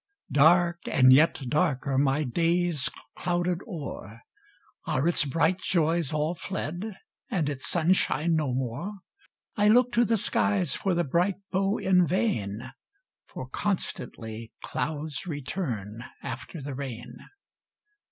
Dark and yet darker my day's clouded o'er; Are its bright joys all fled, and its sunshine no more? I look to the skies for the bright bow in vain, For constantly "clouds return after the rain."